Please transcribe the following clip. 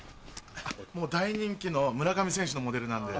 大人気の村上選手のモデルなんで。